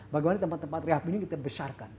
bagaimana tempat tempat rehab ini kita besar banget